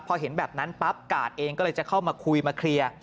พอเห็นแบบนั้นปั๊บกาดเองก็เลยจะเข้ามาคุยมาเคลียร์